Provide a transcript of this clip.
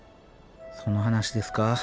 その話ですか。